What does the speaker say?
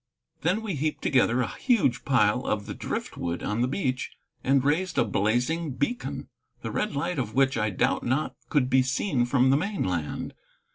Then we heaped together a huge pile of the driftwood on the beach and raised a blazing beacon, the red light of which I doubt not could be seen from the mainland.